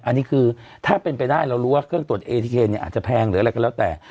อันนี้คือถ้าเป็นไปได้เรารู้ว่าเครื่องตรวจเอทีเคเนี่ยอาจจะแพงหรืออะไรก็แล้วแต่